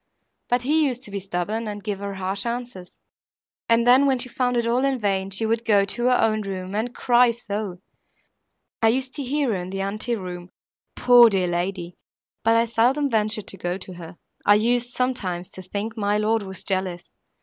But he used to be stubborn, and give her harsh answers, and then, when she found it all in vain, she would go to her own room, and cry so! I used to hear her in the ante room, poor dear lady! but I seldom ventured to go to her. I used, sometimes, to think my lord was jealous.